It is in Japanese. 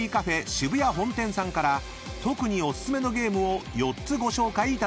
渋谷本店さんから特にお薦めのゲームを４つご紹介いただきました］